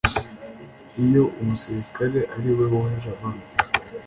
Iyo umusirikare ari we woheje abandi